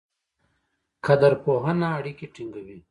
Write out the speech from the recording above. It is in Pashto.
قدرپوهنه اړیکې ټینګوي.